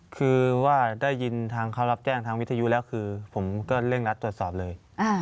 คือว่าได้ยินทางเขารับแจ้งทางวิทยุแล้วคือผมก็เร่งรัดตรวจสอบเลย